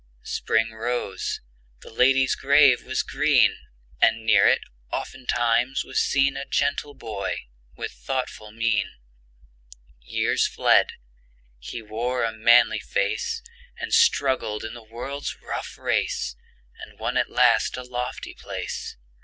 Spring rose; the lady's grave was green; And near it, oftentimes, was seen A gentle boy with thoughtful mien. Years fled; he wore a manly face, And struggled in the world's rough race, And won at last a lofty place.